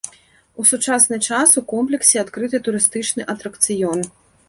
У сучасны час у комплексе адкрыты турыстычны атракцыён.